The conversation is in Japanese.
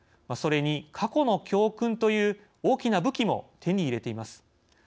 それに過去の教訓という大きな武器も手に入れています。